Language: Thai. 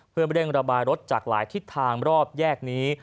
เพื่อเร่งระบายรถจากหลายทิศทางรอบแยกนี้